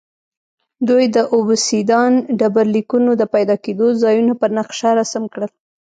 دوی د اوبسیدیان ډبرلیکونو د پیدا کېدو ځایونه پر نقشه رسم کړل